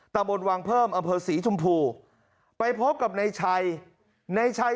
ตำบนว่างเพิ่มอศรีชมพูไปพบกับในชัยในชัย